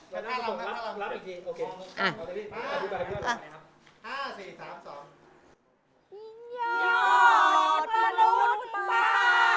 ยอดมนุษย์ป้า